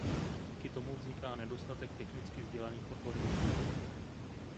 Díky tomu vzniká nedostatek technicky vzdělaných odborníků.